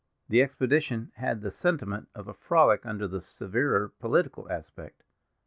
The expedition had the sentiment of a frolic under the severer political aspect.